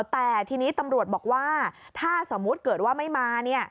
แต่ทีนี้ตำรวจบอกว่าถ้าสมมุติเกิดว่าไม่มา